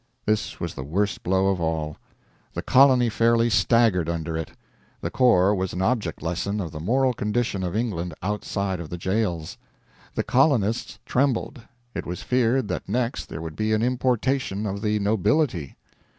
This was the worst blow of all. The colony fairly staggered under it. The Corps was an object lesson of the moral condition of England outside of the jails. The colonists trembled. It was feared that next there would be an importation of the nobility.